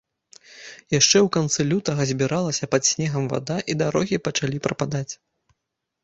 Яшчэ ў канцы лютага збіралася пад снегам вада, і дарогі пачалі прападаць.